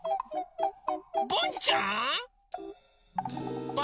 ボンちゃん？